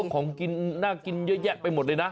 ของกินน่ากินเยอะแยะไปหมดเลยนะ